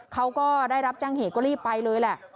เขาก็ได้รับแจ้งเหตุก็รีบไปเลยแหละ